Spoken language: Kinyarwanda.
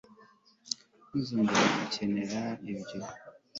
ntuzongera gukenera ibyo